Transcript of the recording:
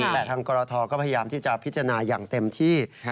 แต่ทางกรทก็พยายามที่จะพิจารณาอย่างเต็มที่